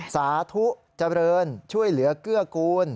สาธุเจริญช่วยเหลือเกื้อกูล